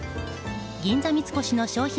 銀座三越の商品